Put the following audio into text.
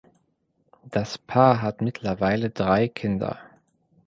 Das Paar hat mittlerweile drei Kinder.